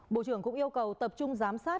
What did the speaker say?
bộ trưởng cũng yêu cầu tập trung giám sát